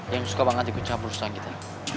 yang suka banget dikucamu susah kita